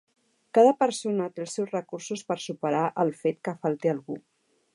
Cada persona té els seus recursos per superar el fet que falti algú.